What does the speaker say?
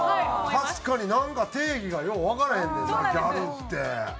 確かになんか定義がようわからへんねんなギャルって。